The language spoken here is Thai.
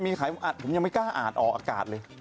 มีใครผมอัดผมยังไม่กล้าอ่านออกอากาศเลย